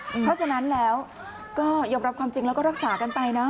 เพราะฉะนั้นแล้วก็ยอมรับความจริงแล้วก็รักษากันไปนะ